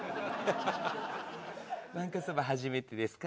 わんこそば初めてですか？